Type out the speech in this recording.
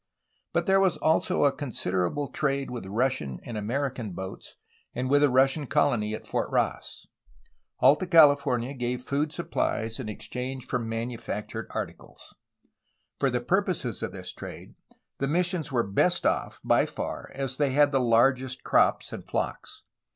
But there was also a considerable trade with Russian and American boats and with the Russian colony at Fort Ross. Alta CaHfornia gave food supplies in exchange for manufactured articles. For the purposes of this trade, the missions were best off, by far, as they had the largest crops and flocks.